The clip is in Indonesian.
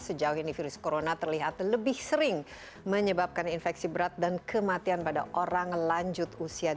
sejauh ini virus corona terlihat lebih sering menyebabkan infeksi berat dan kematian pada orang lanjut usia